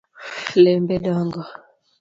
Lembe dongo